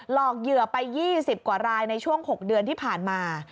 อกเหยื่อไป๒๐กว่ารายในช่วง๖เดือนที่ผ่านมา